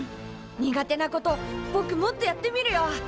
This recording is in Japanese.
苦手なことぼくもっとやってみるよ！